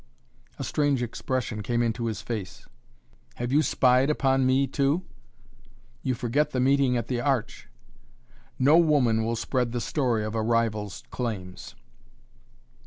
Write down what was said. A strange expression came into his face. "Have you spied upon me, too?" "You forget the meeting at the Arch." "No woman will spread the story of a rival's claims!"